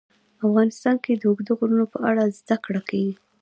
افغانستان کې د اوږده غرونه په اړه زده کړه کېږي.